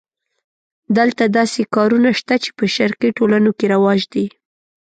دلته داسې کارونه شته چې په شرقي ټولنو کې رواج دي.